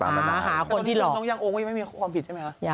ตอนนี้ต้องยังโอ้งยังไม่มีความผิดใช่ไหมครับ